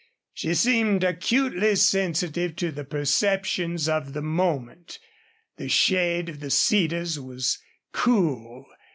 She seemed acutely sensitive to the perceptions of the moment. The shade of the cedars was cool.